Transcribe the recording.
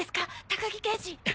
高木刑事。